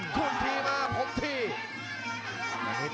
ครุ่นทีมาพรมที่